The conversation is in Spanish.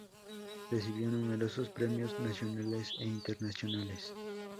Recibió numerosos premios nacionales e internacionales.